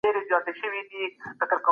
قاضي بايد د پريکړې پر مهال بې طرفه وي.